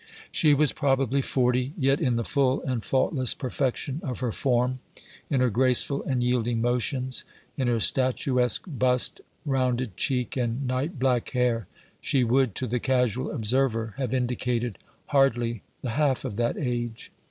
She was, probably, forty; yet, in the full and faultless perfection of her form in her graceful and yielding motions in her statuesque bust, rounded cheek and night black hair, she would, to the casual observer, have indicated hardly the half of that age.